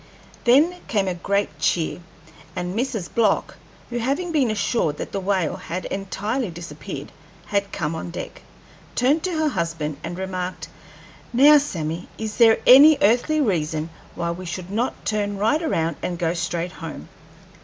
Then came a great cheer, and Mrs. Block who, having been assured that the whale had entirely disappeared, had come on deck turned to her husband and remarked: "Now, Sammy, is there any earthly reason why we should not turn right around and go straight home?